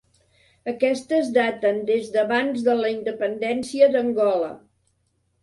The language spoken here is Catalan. Aquestes daten des d'abans de la independència d'Angola.